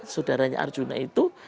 saudaranya arjuna itu